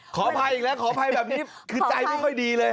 ขออภัยอีกแล้วขออภัยแบบนี้คือใจไม่ค่อยดีเลย